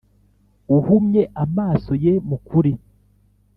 uhumye amaso ye mu kuri.